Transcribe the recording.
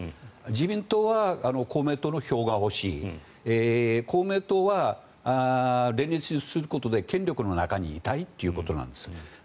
自民党は公明党の票が欲しい公明党は連立することで権力の中にいたいということなんです。